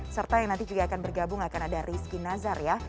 serta yang nanti juga akan bergabung akan ada rizky nazar ya